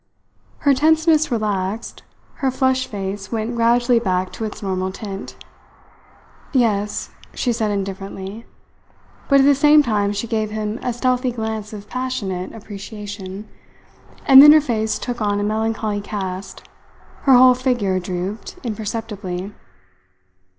Her tenseness relaxed, her flushed face went gradually back to its normal tint. "Yes," she said indifferently, but at the same time she gave him a stealthy glance of passionate appreciation; and then her face took on a melancholy cast, her whole figure drooped imperceptibly.